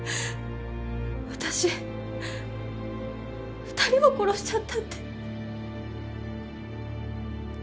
私２人も殺しちゃったって。